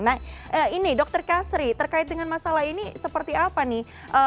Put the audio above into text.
nah ini dr kasri terkait dengan masalah ini seperti apa nih